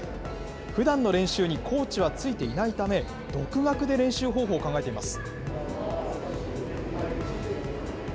ふだんの練習にコーチはついていないため、独学で練習方法を考えています。